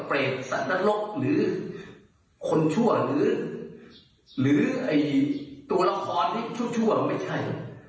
เปรตสันนรกหรือคนชั่วหรือตัวละครที่ชั่วไม่ใช่